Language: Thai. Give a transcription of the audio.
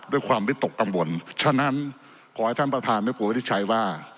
ด้วยความวิตกกังวลฉะนั้นขอให้ท่านประธานวินิจฉัยว่า